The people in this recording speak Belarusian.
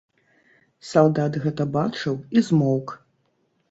Салдат гэта бачыў і змоўк.